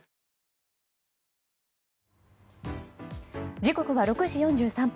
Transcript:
時刻は６時４３分。